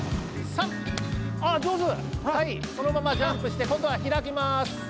そのままジャンプしてこんどはひらきます。